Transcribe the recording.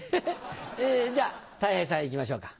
じゃあたい平さん行きましょうか。